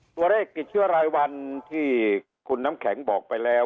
ตัวเลขติดเชื้อรายวันที่คุณน้ำแข็งบอกไปแล้ว